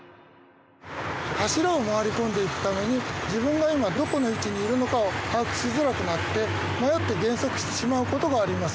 柱を回り込んでいくために自分が今どこの位置にいるのかを把握しづらくなって迷って減速してしまう事があります。